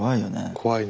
怖いね。